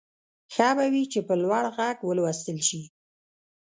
ښه به وي چې په لوړ غږ ولوستل شي.